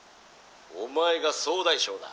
お前が総大将だ」。